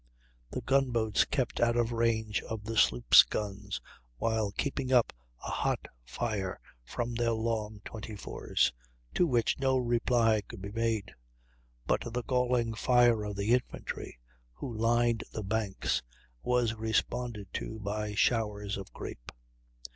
The gun boats kept out of range of the sloop's guns, while keeping up a hot fire from their long 24's, to which no reply could be made; but the galling fire of the infantry who lined the banks was responded to by showers of grape.